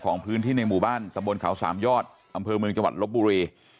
ของพื้นที่ในหมู่บ้านตะบนเขาสามยอดอำเภอเมืองจังหวัดลบบุรี